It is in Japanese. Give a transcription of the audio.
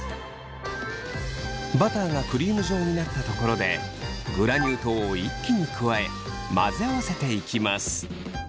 バターがクリーム状になったところでグラニュー糖を一気に加え混ぜ合わせていきます。